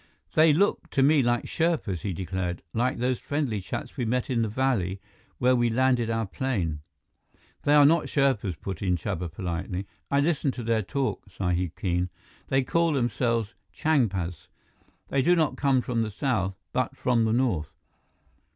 "They look to me like Sherpas," he declared. "Like those friendly chaps we met in the valley where we landed our plane." "They are not Sherpas," put in Chuba politely. "I listen to their talk, Sahib Keene. They call themselves Changpas. They do not come from the south, but from the north."